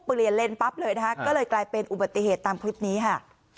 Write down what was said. เปลี่ยนเลนปั๊บเลยนะคะก็เลยกลายเป็นอุบัติเหตุตามคลิปนี้ค่ะ